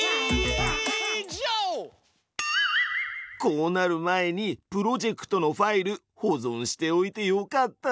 こうなる前にプロジェクトのファイル保存しておいてよかった！